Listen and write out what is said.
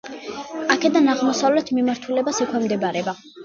აქედან აღმოსავლეთ მიმართულებას ექვემდებარება.